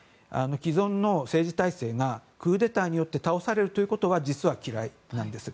既存の政治体制がクーデターによって倒されるというのが実は嫌いなんです。